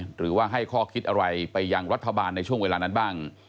หรือว่าให้ข้อคิดอะไรไปยังรัฐบาลในช่วงเวลานั้นบ้าง